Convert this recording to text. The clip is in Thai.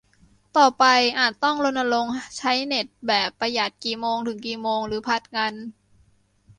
ต่อไปอาจต้องรณรงค์ใช้เน็ตแบบประหยัดกี่โมงถึงกี่โมง หรือผลัดกัน